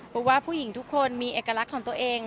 เพราะว่าผู้หญิงทุกคนมีเอกลักษณ์ของตัวเอง